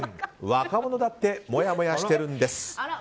若者だってもやもやしてるんです！